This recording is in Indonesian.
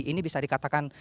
ini bisa dikatakan